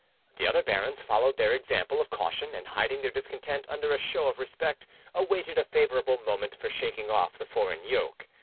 The other barons followed their example of caution, and hiding their discontent under a show of respect, awaited a favourable moment for shaking off the foreign yoke.